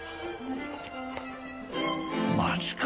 マジか？